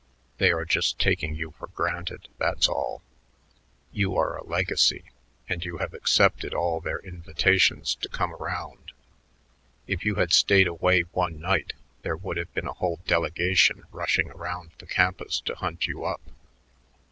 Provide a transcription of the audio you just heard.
They are just taking you for granted; that's all. You are a legacy, and you have accepted all their invitations to come around. If you had stayed away one night, there would have been a whole delegation rushing around the campus to hunt you up."